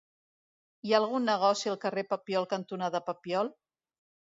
Hi ha algun negoci al carrer Papiol cantonada Papiol?